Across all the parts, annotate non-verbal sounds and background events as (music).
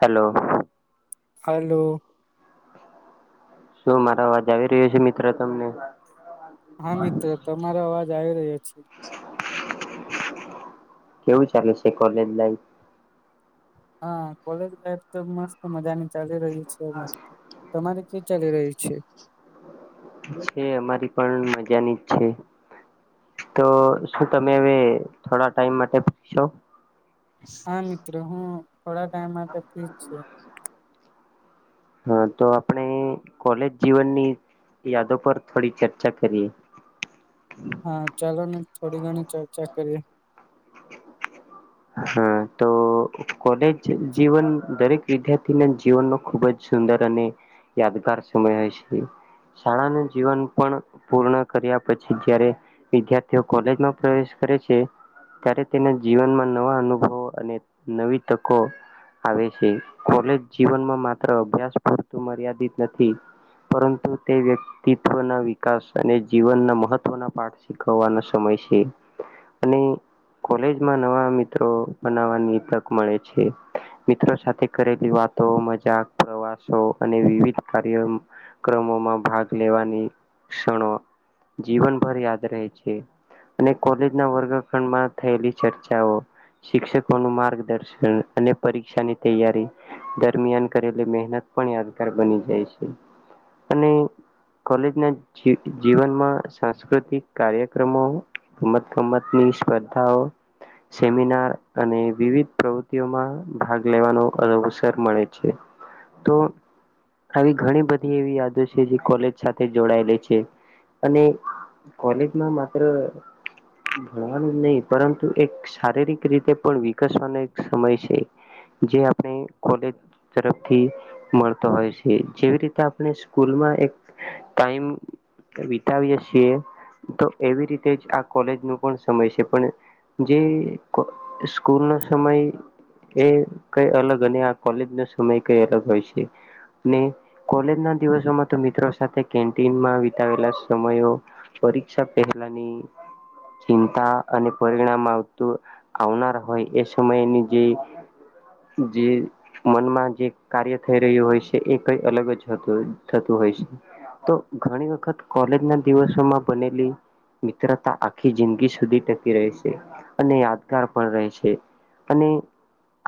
Hello hello શું મારો અવાજ આવી રહ્યો છે મિત્ર તમને હા મિત્ર તમારો અવાજ આવી રહ્યો છે. કેવું ચાલે છે કોલેજ લાઈફ હા કોલેજ લાઈફ તો મસ્ત મજાની ચાલી રહી છે અમારી તમારી કેવી ચાલી રહ્યું છે. છે અમારી પણ મજાની છે. તો શું તમે હવે થોડા ટાઈમ માટે ફીશો હા મિત્રો હું થોડા ટાઈમ માટે ફ્રીજ છું. હા તો આપણે કોલેજ જીવનની યાદો પર થોડી ચર્ચા કરીએ. હા ચાલો ને થોડી ઘણી ચર્ચા કરીએ. હા તો કોલેજ જીવન દરેક વિદ્યાર્થીના જીવનનો ખુબ જ સુંદર અને યાદગાર સમય હશે. શાળાનું જીવન પણ પૂર્ણ કર્યા પછી જયારે વિદ્યાર્થીઓ કોલેજમાં પ્રવેશ કરે છે ત્યારે તેના જીવનમાં નવા અનુભવો અને નવી તકો આવે છે, કોલેજ જીવનમાં માત્ર અભ્યાસ પૂરતું મર્યાદિત નથી. પરંતુ તે વ્યક્તિત્વના વિકાસ અને જીવનના મહત્વના પાઠ શીખવવાનો સમય છે. અને કોલેજમાં નવા મિ ત્ર બનાવાની તક મળે છે મિત્ર સાથે કરેલી વાતો મજાક પ્રવાસો અને વિવિધ કાર્ય ક્રમોમાં ભાગ લેવાની ક્ષણો જીવનભર યાદ રહે છે અને કોલેજ ના વર્ગખંડમાં થયેલી ચર્ચાઓ શિક્ષકો નું માર્ગદર્શન અને પરીક્ષાની તૈયારી દરમિયાન કરેલી મહેનત પણ યાદગાર બની જાય છે, અને કોલેજના જી‌ જીવનમાં સાંસ્કૃતિક કાર્યક્રમો રમત ગમત ની સ્પર્ધાઓ સેમિનાર અને વિવિધ પ્રવૃત્તિઓમાં ભાગ લેવાનો અવસર મળે છે. તો આવી ઘણી બધી એવી યાદો છે, જે કોલેજ સાથે જોડાયેલી છે. અને કોલેજમાં માત્ર ભણવાનું જ નહી પરંતુ એક શારીરિક રીતે પણ વિકસવાનો એક સમય છે. જે આપણે કોલેજ તરફથી મળતો હોય છે જેવી રીતે આપણે સ્કૂલ એક ટાઇમ વિતાવીએ છીએ. તો એવી રીતે જ આ કોલેજ નું પણ સમય છે પણ જે સ્કૂલ નો સમય એ કઈ અલગ અને આ કોલેજ નો સમય કઈ અલગ હોય છે. ને કોલેજ ના દિવસોમાં તો મિત્રો સાથે કેન્ટીનમાં વિતાવેલા સમયો પરીક્ષા પહેલાની ચિંતા અને પરિણામ આવ તો આવનાર હોય એ સમયની જે જે મનમાં જે કાર્ય થઈ રહ્યું હોય છે એ કઈ અલગ જ થતું હોય તો ઘણી વખત કોલેજ ના દિવસોમાં બનેલી મિત્રતા આખી જિંદગી સુધી ટકી રહે છે. અને યાદગાર પણ રહે છે અને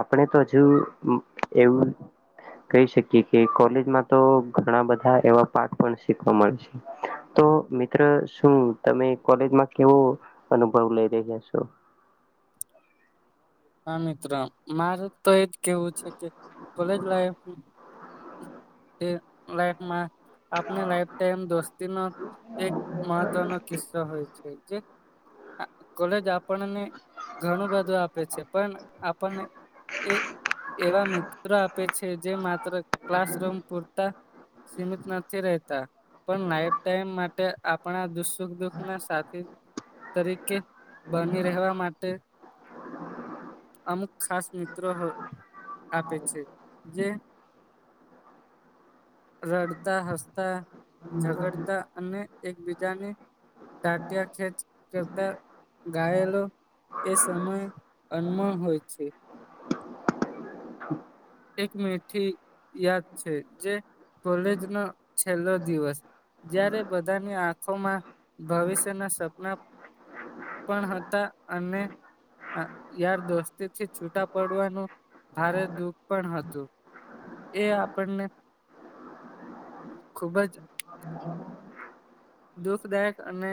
આપણે તો જુ એવું કહી શકીએ કે કોલેજમાં તો ઘણા બધા એવા પાઠ પણ શીખવા મળે છે તો મિત્ર શું તમે કોલેજમાં કેવો અનુભવ લઈ રહ્યા છો? હા મિત્રો મારે તો એજ કેવું છે કે કોલેજ લાઈફ તે લાઈફમાં આપણે લાઈફ ટાઇમ દોસ્તી નો એક મહત્વનો કિસ્સો હોય છે જે કોલેજ આપણને ઘણું બધું આપે છે પણ આપને એ એવા મિત્રો આપે છે જે માત્ર ક્લાસરૂમ પૂરતા સીમિત નથી રેહતા પણ નાઇટ ટાઈમ માટે આપણા દુખ સુખ દુખના સાથી- તરીકે બની રહેવા માટે (inaudible) અમુક ખાસ મિત્રો હો આપે છે જે (inaudible) રડતા હસતા ઝગડતા અને એકબીજાને તાટિયા ખેચ કરતા ગાયેલો એ સમય અનમ હોય છે. એક મીઠી યાદ છે જે કોલેજનો છેલ્લો દિવસ. જ્યારે બધાની આંખોમાં ભવિષ્યના સપના પણ હતા અને યાર દોસ્તી થી છૂટા પડવાનું ભારે દુઃખ પણ હતું એ આપણને ખુબ જ દુખદાયક અને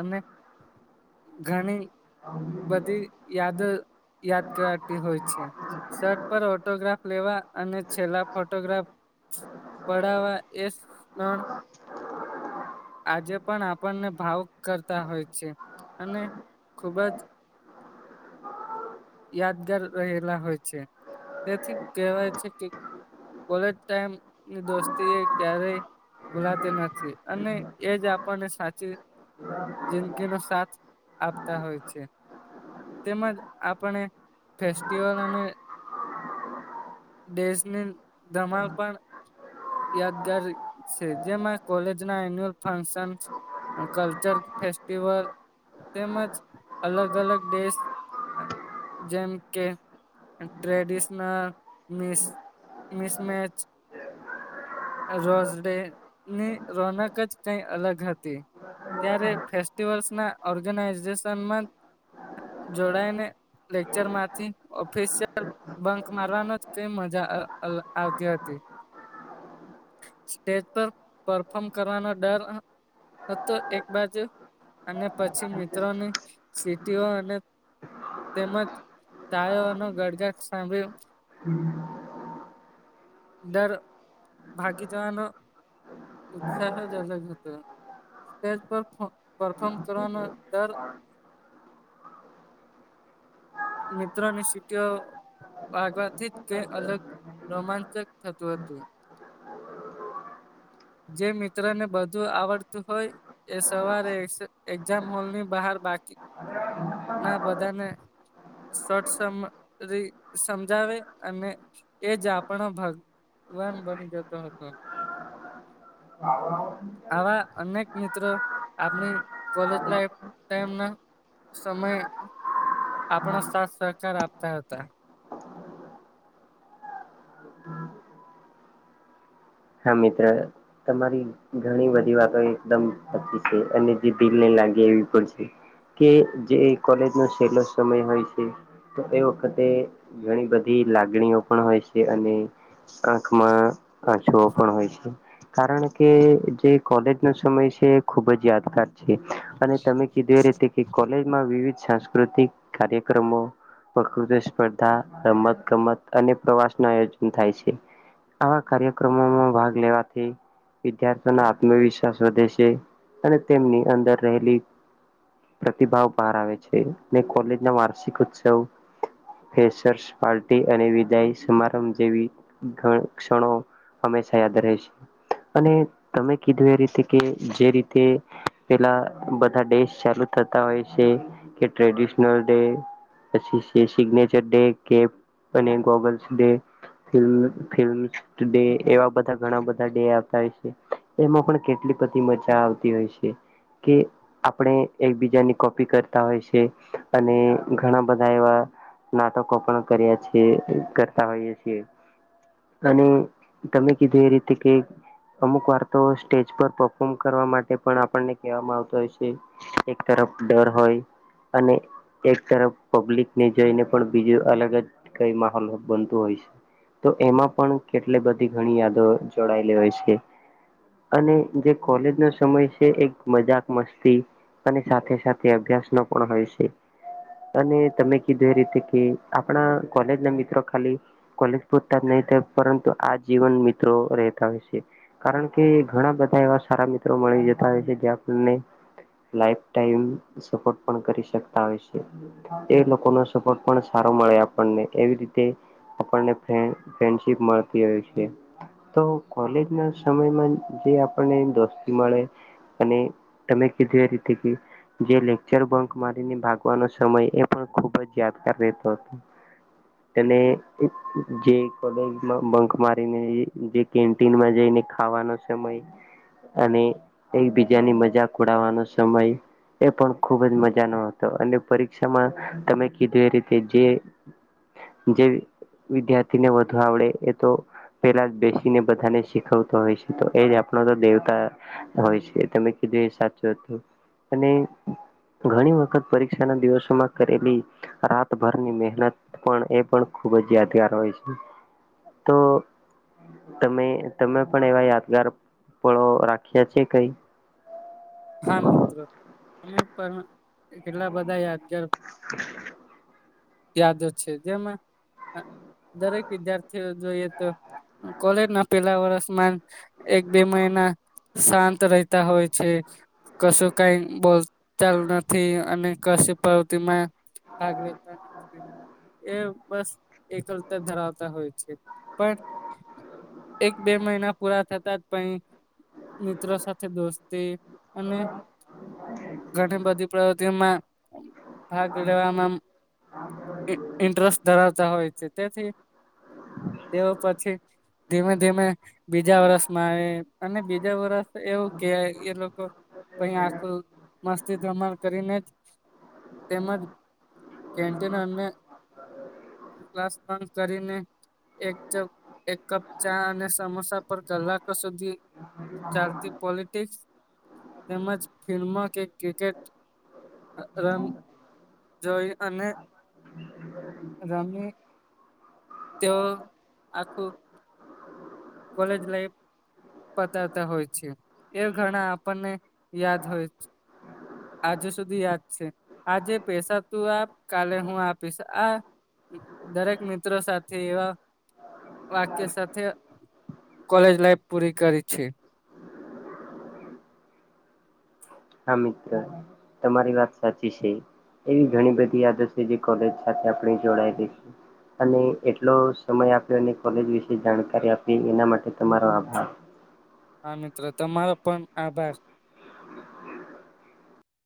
અને ઘણી બધી યાદ યાદ કરાથી હોય છે. શર્ટ પર ઓટોગ્રાફ લેવા અને છેલ્લા ફોટોગ્રાફ પડાવા એ સ્ણ આજે પણ આપણને ભાવુક કરતા હોય છે અને- - ખૂબ જ યાદગાર રહેલા હોય છે, તેથી કહેવાય છે કે કોલેજ ટાઈમ દોસ્તી એ ક્યારેય ભૂલાતી નથી અને એજ આપણને સાચી જિંદગીનો સાથ આપતા હોય છે. તેમજ આપણે ફેસ્ટિવલ અને દેશની ધમાલ પણ યાદગાર છે, જેમાં કોલેજ ના એન્યુઅલ ફંક્સન્સ કલ્ચર ફેસ્ટિવલ તેમજ અલગ અલગ દેશ જેમ કે- - ટ્રેડિંશન મિસ મિસમેચ રોઝડે ની રોનક જ કઈ અલગ હતી. ત્યારે ફેસ્ટિવલ્સ ના ઓર્ગેનાઈઝેશનમાં જોડાયને લેક્ચરમાંથી ઓફિસ બંક મારવાનો જ કઈ મજા આવતી હતી. (inaudible) સ્ટેજ પર પરફોર્મ કરવાનો ડર હતો એક બાજુ- - અને પછી મિત્રોની- - અને તેમજ તાયોનો ગડગાટ સાંભળી- - હમ- - દર ભાગીજવાનો ઉત્સાહ જ અલગ હતો. સ્ટેજ પર પરફોર્મ કરવાનો ડર- - (inaudible) મિત્રોની સીટીઓ- - વાગવાથી જ કઈ અલગ રોમાંચક થતું હતું. જે મિત્ર ને બધું આવડતું હોય એ સવારે એક્ઝામ હોલ ની બહાર- - બાકી ના બધાને- - સટસરી સમજાવે અને એ જ આપણો ભાગ- - વન બની જતો હતો. હ આવા અનેક મિત્રો આપણી કોલેજ લાઈફ ટમ ના સમય.. આપણાો સાથ સહકાર આપતા હતા. હા મિત્ર તમારી. ઘણી બધી વાતો. એકદમ સાચી છે અને જે દિલ ને. લાગે એવી પણ છે. કે જે કોલેજ નો છેલ્લો સમય હોય છે તો એ વખતે ઘણી બધી. લાગણીઓ પણ હોય છે. અને આંખમાં જો પણ હોય છે કારણ કે જે કોલેજનોો સમય છે ખુબ જ યાદગાર અને તમે કીધું એ રતે કે કોલેજમાં વિવિધ સાંસ્કૃતિક કાર્યક્રમો પ્રકૃતિ સ્પર્ધા રમત ગમત અને પ્રવાસ ન આયોજન થાય છે. આવા કાર્યક્રમોમાં ભાગ લેવાથી વિદ્યાર્થીઓના આત્મવિશ્વાસ વધે છે. અને તેમની અંદર રહેલી પ્રતિભાવ બહાર આવે છે. કોલેજ ના વાર્ષિક ઉત્સવ પાર્ટી અને વિદાય સમારંભ જેવી ક્ષણો હંમેશા યાદ રહે છે. અને તમે કીધું એ રીતે કે જે રીતે પેલા બધા ડેશ ચાલુ થતા હોય છે કે ટ્રેડિશનલ ડે પછી સિગ્નેચર ડે કે અને goggles day film film... day એવા બધા ઘણા બધા ડે આવતા હોય છે. એમાં પણ કેટલી બધી મજા આવતી હોય છે. કે આપણે એકબીજાની કોપી કરતા હોય છે. અને ઘણા બધા એવા નાટકો પણ કર્યા છીએ કરતા હોઈએ છીએ અને તમે કીધું એ રીતે કે અમુક વાર્તો સ્ટેજ પર પરફોર્મ કરવા માટે પણ આપણને કહેવામાં આવતા હોય છે. એક તરફ ડર હોય અને એક તરફ પબ્લિક ને જઈને પણ બીજું અલગ જ કઈ માહોલ બનતું હોય છે. તો એમાં પણ કેટલી બધી ઘણી યાદો જોડાયેલી હોય છે. અને જે કોલેજ નો સમય છે એક મજાક મસ્તી અને સાથે સાથે અભ્યાસ નો પણ હોય છે. અને તમે કીધું એ રીતે કે આપણા કોલેજ ના મિત્રો ખાલી કોલેજ પહચતા જ નહીિ પરંતુ આ જીવન મિત્રો રહેતા હોય છેકારણ કે ઘણા બધા એવા સારા મિત્રો મળી છે જેને કરીતા હોય છે તે લોકો સપોર્ટ પણ (unintelligible) મળે આપને એવી રીતે આપણ ફ્રેન્ડશિપ મળતી હોય છે. તો કોલેજ ના સમયમાં જે આપણને દોસ્તી મળે અને તમે કીધું એ રીતે કે જે લેક્ચર બંક મારીને ભાગવાનો સમય એ પણ ખૂબ જ યાદગાર રહેતો હતો તને જે બંખ મારીને જે કેન્ટીનમાં જઈને ખાવાનો સમય અને એકબીજાની મજા ખડવાનો સમય એ પણ ખૂબ જ મજાનો હતો અને પરીક્ષામાં તમે કીધું એ રીતે જે જે વિદ્યાર્થી ને વધ આવડે એ તો પેલા જ બેસીને બધાને શીખવતો હોય છે તો એજ આપણો તો દેવતા હોય છે તમે કીધું એ સાચું હતું અને ઘણી વખત પરીક્ષા ના દિવસોમાં કરેલી રાતભરની મહેનત પણ એ પણ ખુબ જ યાદગાર હોય છે. તો તમે તમે પણ એવા યાદગાર પળો રાખ્યા છે. કઈ હા મિત્રો અમે પણ કેટલા બધા યાદ (unintelligible) યાદો છે જેમાં દરેક વિદ્યાર્થીઓ જોઈએ તો કોલેજ ના પેલા વર્ષમાં એક બે મહિના શાંત રહેતા હોય છે કશું કઈ બોલતાલ નથી અને કશી પ્રવૃતિમાં કાગલેતા એ બસ એકલતા ધરાવતા હોય છે પણ એક બે મહિના પૂરા થતા જ પ મિત્રો સાથે દોસ્તી અને ઘણી બધી પ્રવૃતિમાં ભાગ લેવામાં ઇન્ટરેસ્ટ ધરાવતા હોય છે તેથી તેઓ પછી ધીમે ધીમે બીજા વરષમાં આવે અને બીજા વરષ એવું કે એ લોકો અહી આ તો મસ્જદ બમાણ કરીને જ તેમજ કેન્ટીન અને ક્લાસ બંધ કરીને એક એક કપ ચા અને સમોસા પર કલાકો સુધી ચાલતી પોલિટિક્સ તેમજ ફિલ્મો કે ક્રિકેટ રન જોઈ અને રમ તેઓ આખું કોલેજ લાઈફ પતાવતા હોય છે એ ઘણા આપણને યાદ હોય આજુ સુધી યાદ છે આજે પૈસા તું આપ કાલે હું આપીશ આ દરેક મિત્રો સાથે એવા વાક્ય સાથે કોલેજ લાઈફ પૂરી કરી છે હા મિત્ર તમારી વાત સાચી છે એવી ઘણી બધી યાદ હશે જે કોલેજ સાથે આપ જોડાયેલી અને એટલો સમય આપ્યો અને કોલેજ વિશે જાણકારી આપી એના માટે તમારો આભાર હા મિત્રો તમારો પણ આભાર